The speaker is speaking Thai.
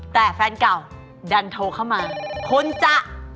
แต่แฟนเก่าดันโทรเข้ามาคุณจะ